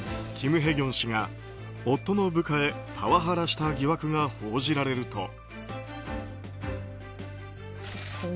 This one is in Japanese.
キム・ヘギョン氏が夫の部下へパワハラした疑惑が報じられると。